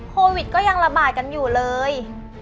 โควิดก็ยังระบาดกันอยู่เลย